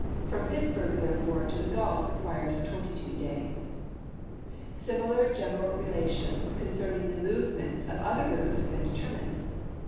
From Pittsburg, therefore, to the Gulf requires 22 days. Similar general relations concerning the movements of other rivers have been determined.